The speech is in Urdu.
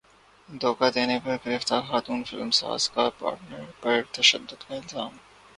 دھوکا دینے پر گرفتار خاتون فلم ساز کا پارٹنر پر تشدد کا الزام